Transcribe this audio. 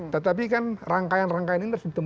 tetapi kan rangkaian rangkaian ini harus ditemukan